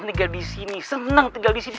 tinggal disini seneng tinggal disini